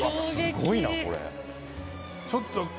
すごいなこれ。